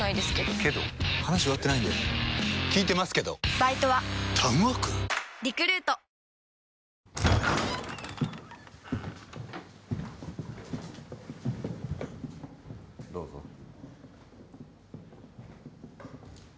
どうぞ。